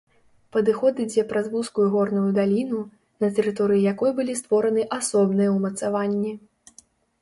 Падыход ідзе праз вузкую горную даліну, на тэрыторыі якой былі створаны асобныя ўмацаванні.